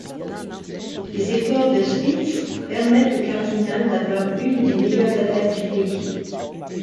Les efforts de Spitz permettent aux Cardinals d'avoir une des meilleures attaques du pays.